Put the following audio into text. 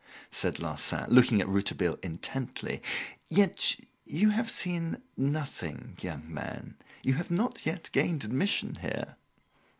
said Larsan, looking at Rouletabille intently, "yet you have seen nothing, young man you have not yet gained admission here!"